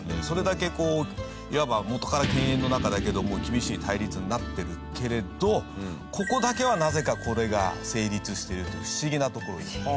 それだけこういわば元から犬猿の仲だけども厳しい対立になってるけれどここだけはなぜかこれが成立してるという不思議な所です。